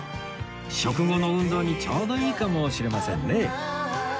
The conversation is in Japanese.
食後の運動にちょうどいいかもしれませんね